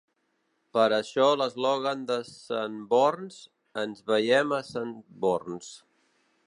Per això l'eslògan de Sanborns "Ens veim a Sanborns".